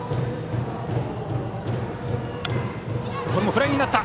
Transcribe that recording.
フライになった！